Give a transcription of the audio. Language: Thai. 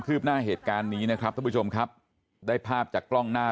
ืบหน้าเหตุการณ์นี้นะครับท่านผู้ชมครับได้ภาพจากกล้องหน้า